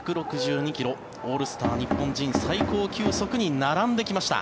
１６２ｋｍオールスター日本人最高球速に並んできました。